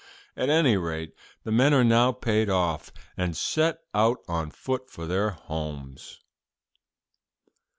At any rate, the men are now paid off, and set out on foot for their homes.'"